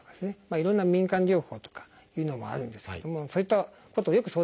いろんな民間療法とかいうのもあるんですけどもそういったことよく相談されます。